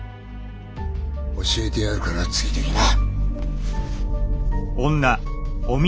教えてやるからついてきな。